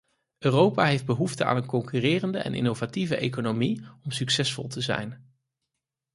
Europa heeft behoefte aan een concurrerende en innovatieve economie om succesvol te zijn.